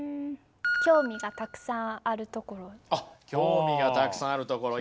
興味がたくさんあるところ。